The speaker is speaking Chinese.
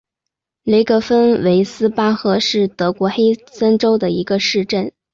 格雷芬维斯巴赫是德国黑森州的一个市镇。